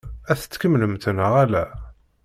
Ad t-tkemmlemt neɣ ala?